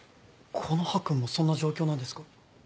木の葉君もそんな状況なんですか。